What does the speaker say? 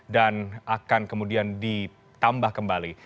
dan akan kemudian ditambah kembali